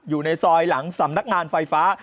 อยู่ในซอยหลังสำนักงานไฟฟ้า